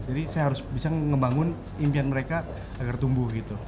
jadi saya harus bisa ngebangun impian mereka agar tumbuh gitu